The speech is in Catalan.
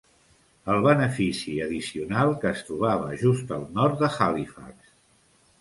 El benefici addicional que es trobava just al nord de Halifax.